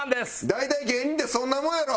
大体芸人ってそんなもんやろ！